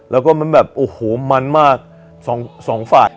แล้วก็มันแบบโอ้โหมันมากสองฝ่าย